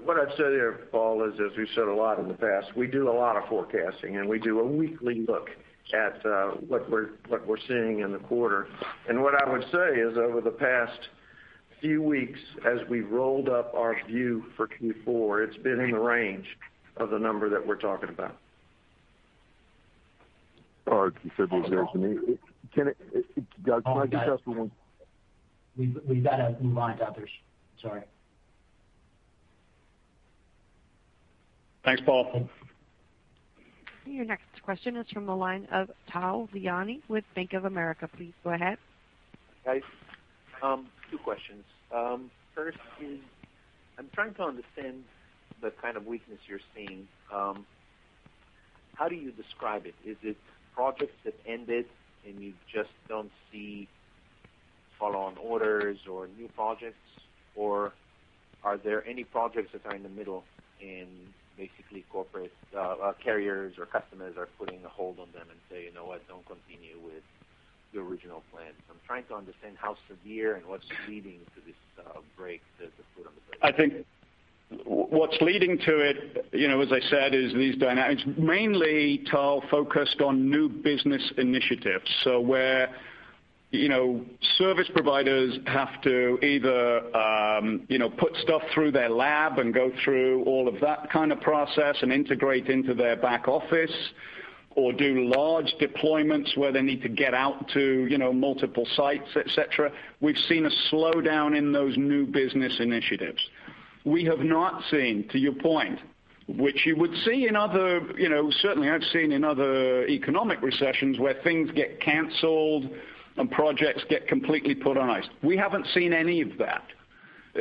What I'd say there, Paul, is as we've said a lot in the past, we do a lot of forecasting and we do a weekly look at what we're seeing in the quarter. And what I would say is over the past few weeks, as we rolled up our view for Q4, it's been in the range of the number that we're talking about. We've got to move on to others. Sorry. Thanks, Paul. Your next question is from the line of Tal Liani with Bank of America. Please go ahead. Two questions. First, I'm trying to understand the. Kind of weakness you're seeing. How do you describe it? Is it projects that ended and you just don't see follow on orders or new projects or are there any projects that are in the middle and basically corporate carriers or customers are putting a hold on them and say, you know what, don't continue with the original plan? So I'm trying to understand how severe and what's leading to this break that put on the. I think what's leading to it, you know, as I said, is these dynamics mainly Tal focused on new business initiatives. So where. Service providers have to either put stuff through their lab and go through all of that kind of process and integrate into their back office or do large deployments where they need to get out to multiple sites, et cetera. We've seen a slowdown in those new business initiatives. We have not seen to your point, which you would see in other, you know, certainly I've seen in other economic recessions where things get canceled and projects get completely put on ice. We haven't seen any of that.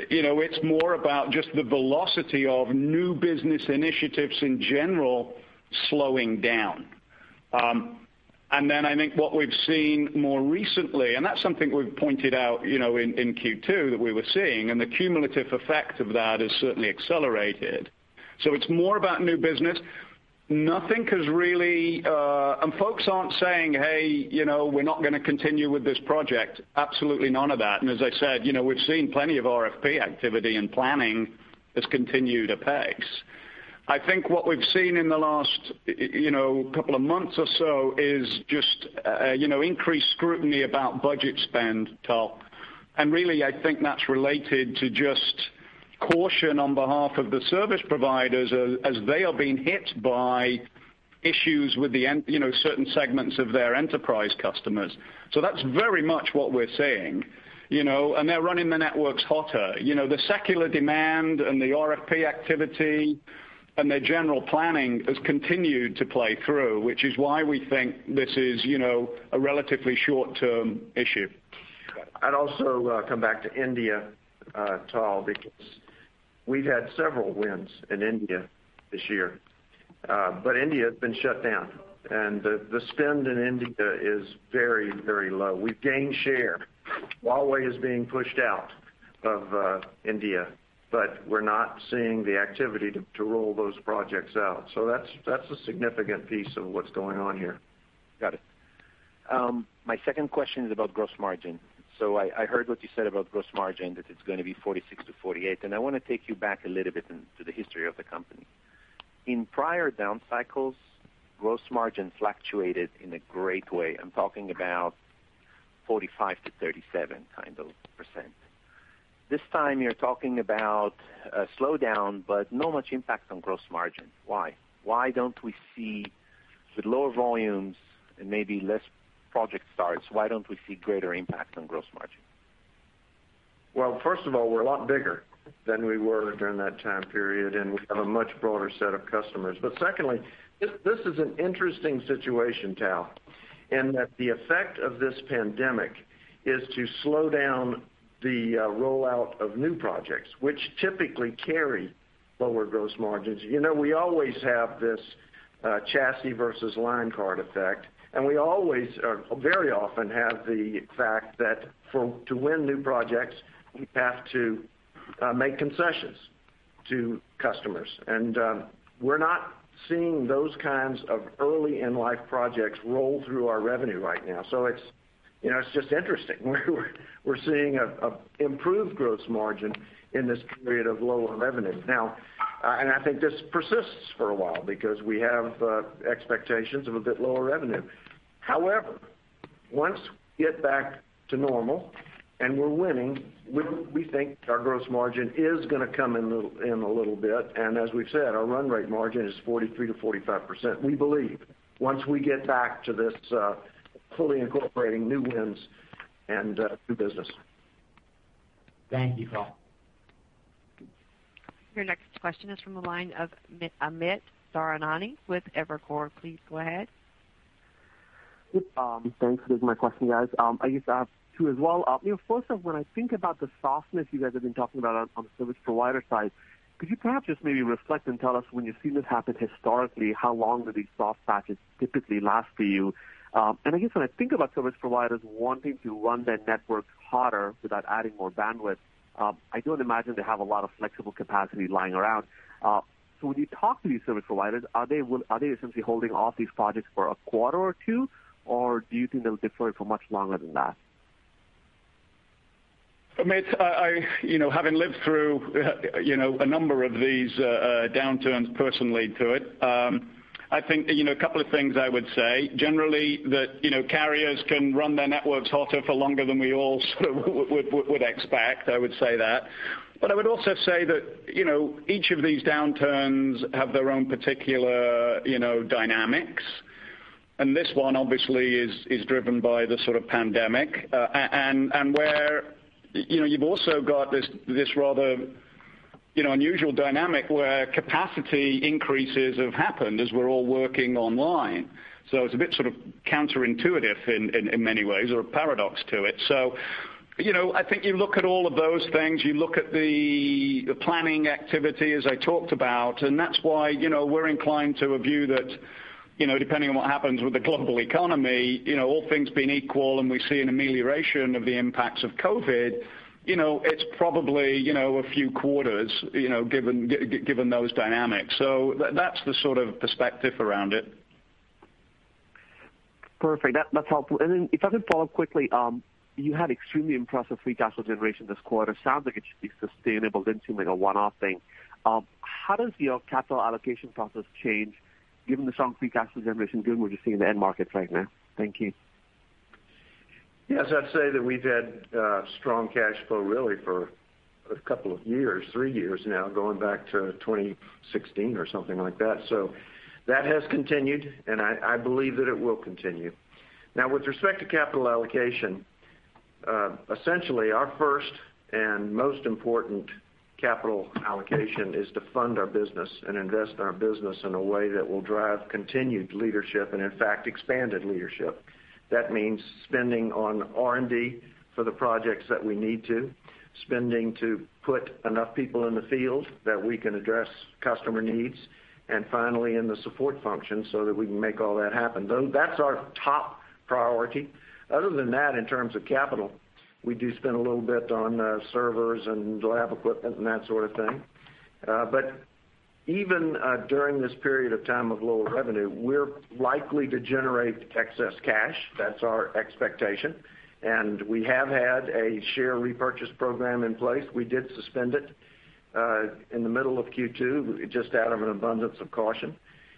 You know, it's more about just the velocity of new business initiatives in general slowing down. Then I think what we've seen more recently, and that's something we've pointed out, you know, in Q2 that we, we were seeing and the cumulative effect of that is certainly accelerated. So it's more about new business. Nothing has really and folks aren't saying, hey, you know, we're not going to continue with this project, absolutely none of that. And as I said, you know, we've seen plenty of RFP activity and planning this continued OpEx. I think what we've seen in the last, you know, couple of months or so is just, you know, increased scrutiny about budget spend and really I think that's related to just caution on behalf of the service providers as they are being hit by issues with the, you know, certain segments of their enterprise customers. So that's very much what we're seeing, you know, and they're running the networks hotter, you know, the secular demand and the RFP activity and their general planning has continued to play through, which is why we think this is, you know, a relatively short-term issue. I'd also come back to India, Tal, because we've had several wins in India this year, but India has been shut down and the spend in India is very, very low. We've gained share. Huawei is being pushed out of India, but we're not seeing the activity to roll those projects out. So that's a significant piece of what's going on here. Got it. My second question is about gross margin. So I heard what you said about gross margin, that it's going to be 46%-48%. And I want to take you back a little bit to the history of the company. In prior down cycles, gross margin fluctuated in a great way. I'm talking about 45%-37% kind. Of percent this time. You're talking about slowdown but not much impact on gross margin. Why, why don't we see with lower volumes and maybe less project starts? Why don't we see greater impact on gross margin? First of all, we're a lot bigger than we were during that time period and we have a much broader set of customers. Secondly, this is an interesting situation, Tal, in that the effect of this pandemic is to slow down the rollout of new projects which typically carry lower gross margins. You know, we always have this chassis versus line card effect and we always very often have the fact that to win new projects we have to make concessions to customers. We're not seeing those kinds of early in life projects roll through our revenue right now. It's, you know, it's just interesting. We're seeing an improved gross margin in this period of lower revenue now. I think this persists for a while because we have expectations of a bit lower revenue. However, once we get back to normal and we're winning, we think our gross margin is going to come in a little bit. And as we've said, our run rate margin is 43%-45%. We believe once we get back to this, fully incorporating new wins and new business. Thank you, Carmen. Your next question is from the line of Amit Daryanani with Evercore. Please go ahead. Thanks for this. My question, guys. I guess I have two as well. First off, when I think about the softness you guys have been talking about on the service provider side, could you perhaps just maybe reflect and tell us when you've seen this happen historically, how long do these soft patches typically last for you? and I guess when I think about service providers wanting to run their network harder without adding more bandwidth, I don't imagine they have a lot of flexible capacity lying around, so when you talk to these service providers, are they essentially holding off these projects for a quarter or two or do you think they'll defer for much longer than that. Having lived through a number of these downturns, personally to it, I think a couple of things. I would say generally that carriers can run their networks hotter for longer than we all would expect. I would say that. But I would also say that each of these downturns have their own particular dynamics and this one obviously is driven by the pandemic and where, you know, you've also got this rather unusual dynamic where capacity increases have happened as we're all working online. So it's a bit sort of counterintuitive in many ways or a paradox to it. So, you know, I think you look at all of those things, you look at the planning activity as I talked about, and that's why, you know, we're inclined to a view that, you know, depending on what happens with the global economy, you know, all things being equal and we see an amelioration of the impacts of COVID, you know, it's probably, you know, a few quarters, you know, given those dynamics. So that's the sort of perspective around it. Perfect, that's helpful. If I could follow up quickly. You had extremely impressive free cash flow generation this quarter. Sounds like it should be sustainable. Didn't seem like a one-off thing. How does your capital allocation process change given the strong free cash flow generation, given what you see in the end market right now? Thank you. Yes, I'd say that we've had strong cash flow really for a couple of years, three years now, going back to 2016 or something like that. So that has continued and I believe that it will continue. Now with respect to capital allocation, essentially our first and most important capital allocation is to fund our business and invest our business in a way that will drive continued leadership and in fact expanded leadership. That means spending on R&D for the projects that we need, spending to put enough people in the field that we can address customer needs and finally in the support function so that we can make all that happen. That's our top priority. Other than that, in terms of capital, we do spend a little bit on servers and lab equipment and that sort of thing. But even during this period of time of lower revenue, we're likely to generate excess cash. That's our expectation. And we have had a share repurchase program in place. We did suspend it in the middle of Q2 just out of an abundance of caution.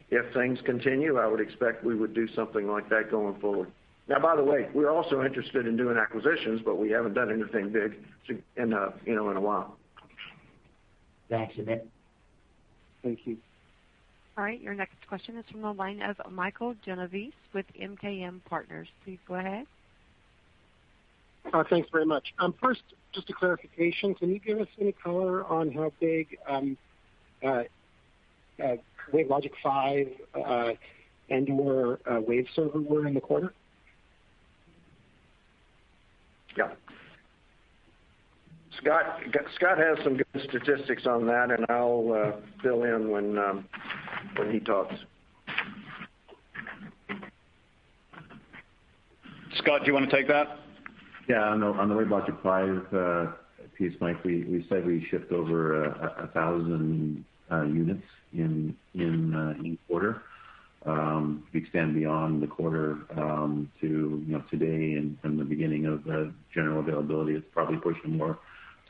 If things continue, I would expect we would do something like that going forward. Now, by the way, we're also interested in doing acquisitions, but we haven't done anything big in a while. Thank you. All right, your next question is from the line of Michael Genovese with MKM Partners. Please go ahead. Thanks very much. First, just a clarification. Can you give us any color on? How big. WaveLogic 5 and/or Waveserver. We're in the quarter? Yep. Scott has some good statistics on that and I'll fill in when he talks. Scott, do you want to take that? Yeah. On the wave. the pluggable front. Mike, we said we shipped over 1,000 units in quarter. We extend beyond the quarter to today and from the beginning of general availability is probably pushing more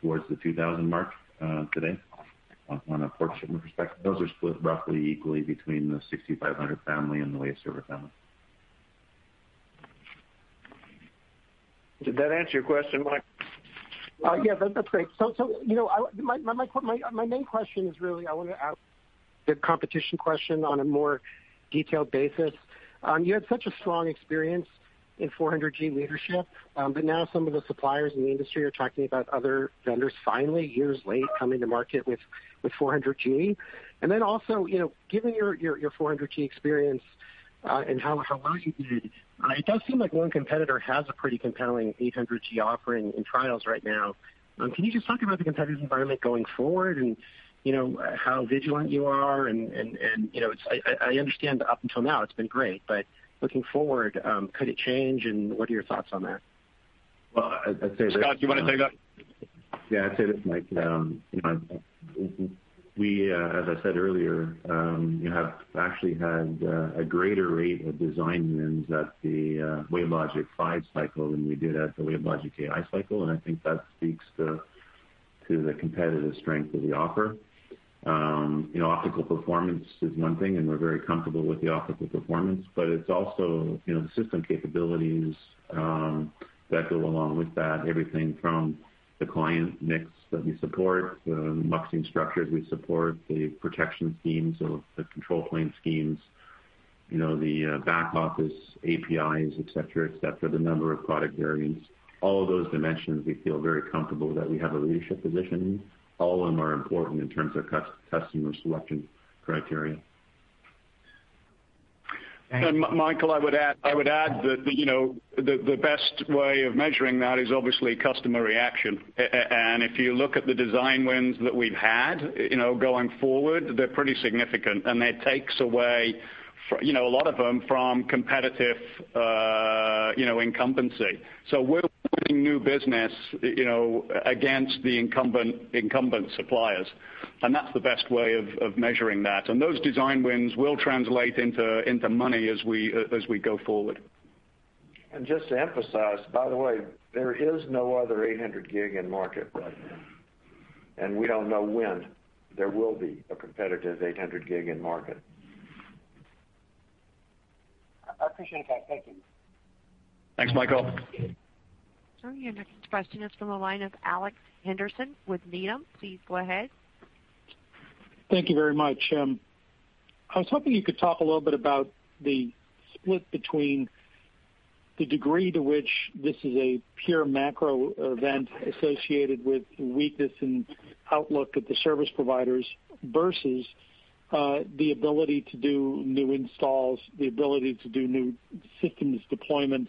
towards the 2,000 mark today. On a port shipment perspective, those are split roughly equally between the 6500 family and the Waveserver family. Did that answer your question, Mike? Yeah. That's great. So you know, my main question is. Really, I want to ask the competition question on a more detailed basis. You had such a strong experience in 400G leadership, but now some of the. Suppliers in the industry are talking about. Other vendors finally, years late, coming to market with 400G. And then also given your 400G experience. How well you did, it does. Seems like one competitor has a pretty compelling 800G offering in trials right now. Can you just talk about the competitive? Environment going forward and how vigilant you are? I understand up until now it's been great. But looking forward, could it change, and what are your thoughts on that? Well, I'd say. Scott, you want to say that. Yeah, I'd say this, Mike. We, as I said earlier, have actually had a greater rate of design wins at the WaveLogic 5 cycle than we did at the WaveLogic Ai cycle, and I think that speaks to the competitive strength of the offer. Optical performance is one thing, and we're very comfortable with the optical performance, but it's also, you know, the system capabilities. That go along with that. Everything from the client mix that we support, the muxing structures we support, the protection schemes of the control plane schemes, you know, the back office APIs, et cetera, et cetera, the number of product variants, all of those dimensions. We feel very comfortable that we have a leadership position. All of them are important in terms of customer selection criteria. Michael, I would add that, you know, the best way of measuring that is obviously customer reaction. And if you look at the design wins that we've had, you know, going forward, they're pretty significant. And that takes away, you know, a lot of them from competitive, you know, incumbency. So. So we're winning new business against the incumbent suppliers, and that's the best way of measuring that. And those design wins will translate into money as we go forward. Just to emphasize, by the way, there is no other 800 gig in market right now, and we don't know when there will be a competitive 800 gig in market. I appreciate that. Thank you. Thanks. Michael, your next question is from the line of Alex Henderson with Needham. Please go ahead. Thank you very much. I was hoping you could talk a. Little bit about the split between the degree to which this is a pure macro event associated with weakness in outlook at the service providers versus the ability to do new installs, the ability to. Do new systems deployments.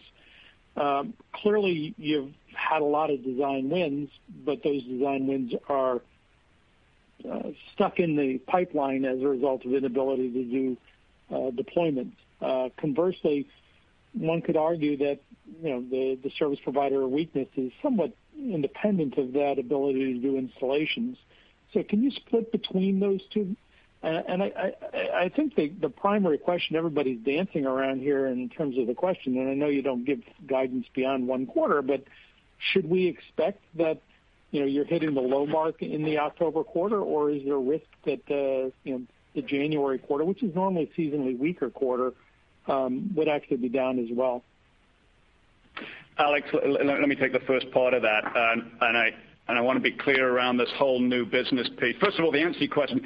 Clearly, you've had a lot of design. wins, but those design wins are. Stuck in the pipeline as a result of inability to do deployments. Conversely, one could argue that the service provider weakness is somewhat independent of that. Ability to do installations. So can you split between those two? And I think the primary question, everybody's. Dancing around here in terms of the. Question, and I know you don't give guidance beyond one quarter, but should we expect that you're hitting the low mark? In the October quarter, or is there? A risk that the January quarter, which is normally seasonally weaker quarter, would actually. Be down as well? Alex, let me take the first part of that, and I want to be clear around this whole new business piece. First of all, the answer question,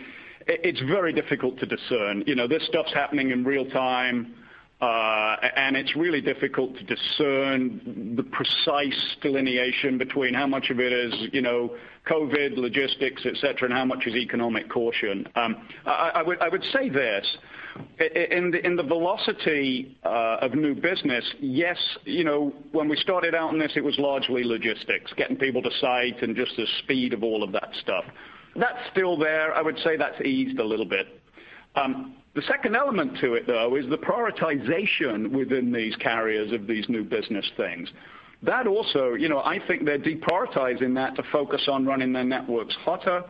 it's very difficult to discern. You know, this stuff's happening in real time, and it's really difficult to discern the precise delineation between how much of it is, you know, COVID logistics, etc., and how much is economic caution. I would say this in the velocity of new business. Yes. You know, when we started out in this, it was largely logistics getting people to site and just the speed of all of that stuff that's still there. I would say that's eased a little bit. The second element to it, though, is the prioritization within these carriers of these new business things that also, you know, I think they're deprioritizing that to focus on running their networks hotter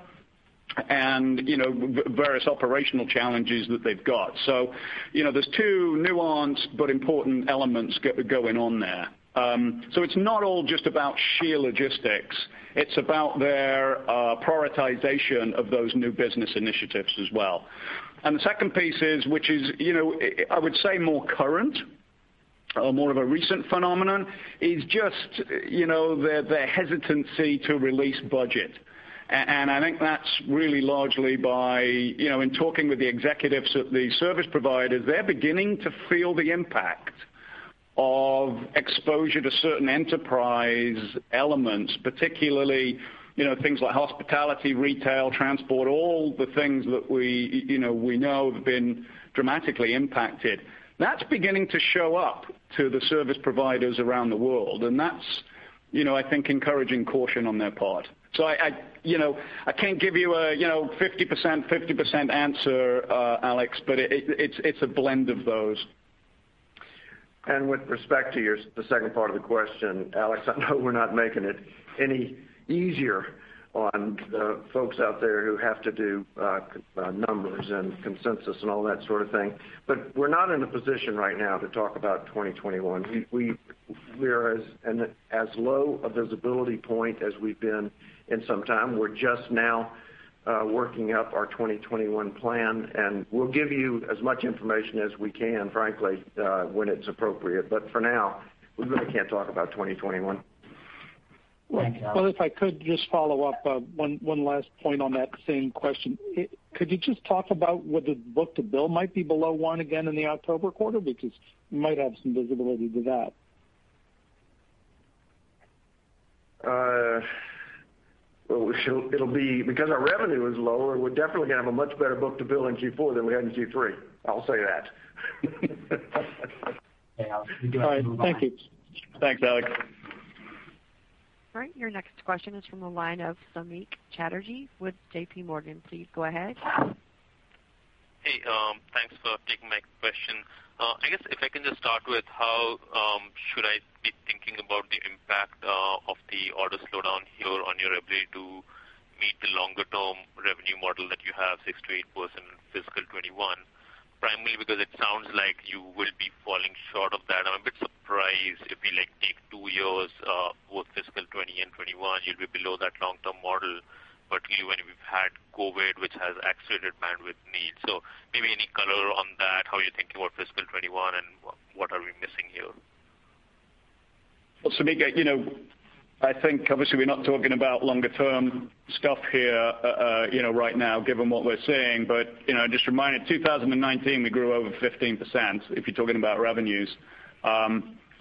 and, you know, various operational challenges that they've got. So, you know, there's two nuanced but important elements going on there. So it's not all just about sheer logistics. It's about their prioritization of those new business initiatives as well. And the second piece is, which is, you know, I would say more current, more of a recent phenomenon is just, you know, the hesitancy to release budget. And I think that's really largely by, in talking with the executives at the service providers. They're beginning to feel the impact of exposure to certain enterprise elements, particularly things like hospitality, retail transport, all the things that we know have been dramatically impacted. That's beginning to show up to the service providers around the world and that's, I think, encouraging caution on their part. So I can't give you a 50%, 50% answer, Alex, but it's a blend of those. With respect to the second part of the question, Alex, I know we're not making it any easier on folks out there who have to do numbers and consensus and all that sort of thing, but we're not in a position right now to talk about 2021. We are as low a visibility point as we've been in some time. We're just now working up our 2021 plan and we'll give you as much information as we can, frankly when it's appropriate. But for now we really can't talk about 2021. If I could just follow up. One last point on that same question. Could you just talk about what the book-to-bill might be below one again in the October quarter because might. Have some visibility to that. It'll be because our revenue is lower. We're definitely going to have a much better book-to-bill in Q4 than we had in Q3. I'll say that. All right, thank you. Thanks Alex. All right, your next question is from the line of Samik Chatterjee with J.P. Morgan. Please go ahead. Hey, thanks for taking my question. I guess if I can just start with how should I be thinking about the impact of the order slowdown here on your ability to meet the longer term revenue model that you have 6%-8% fiscal 2021 primarily because it sounds like you will be falling short of that. I'm a bit surprised. If we take two years, both fiscal 2020 and 2021, you'll be below that long term model, particularly when we've had COVID which has accelerated bandwidth needs. So maybe any color on that. How you think about fiscal 2021 and what are we missing here? Same. You know, I think obviously we're not talking about longer term stuff here, you know, right now given what we're seeing. But you know, just remember in 2019 we grew over 15%. If you're talking about revenues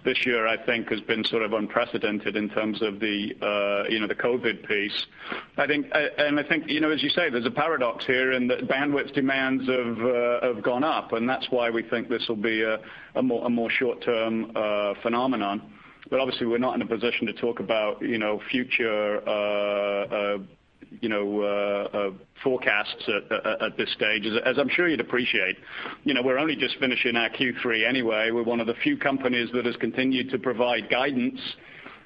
this year I think has been sort of unprecedented in terms of the, you know, the COVID piece I think and I think, you know, as you say there's a paradox here and bandwidth demands have gone up and that's why we think this will be a more short-term phenomenon. But obviously we're not in a position to talk about, you know, future. You know, forecasts at this stage as I'm sure you'd appreciate. You know, we're only just finishing our Q3 anyway. We're one of the few companies that has continued to provide guidance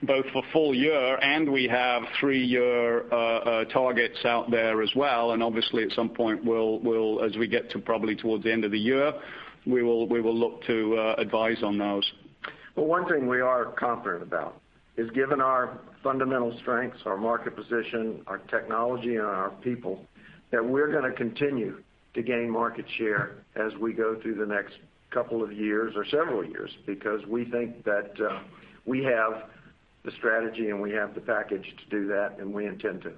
both for full year and we have three year targets out there as well. And obviously at some point we'll, as we get to probably towards the end of the year, we will look to advise on those. One thing we are confident about is given our fundamental strengths, our market position, our technology and our people that we're going to continue to gain market share as we go through the next couple of years or several years because we think that we have the strategy and we have the package to do that. We intend to.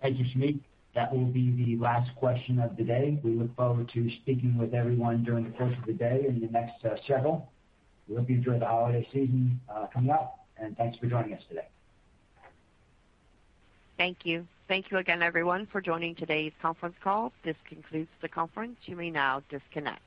Thank you, Samik. That will be the last question of the day. We look forward to speaking with everyone during the course of the day in the next several. We hope you enjoy the holiday season coming out, and thanks for joining us today. Thank you. Thank you again, everyone, for joining today's conference call. This concludes the conference. You may now disconnect.